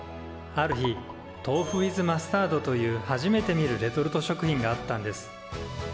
ある日「とうふウィズマスタード」という初めて見るレトルト食品があったんです。